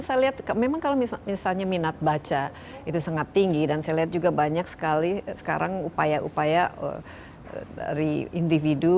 saya lihat memang kalau misalnya minat baca itu sangat tinggi dan saya lihat juga banyak sekali sekarang upaya upaya dari individu